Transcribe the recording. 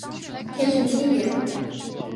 天顺七年。